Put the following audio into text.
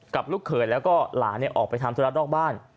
กับลูกเขินและก็หลานออกไปทำสนับรอบ้าน